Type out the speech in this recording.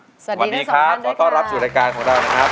สวัสดีที่สำคัญด้วยค่ะสวัสดีครับขอต้อนรับสู่รายการของเรานะครับ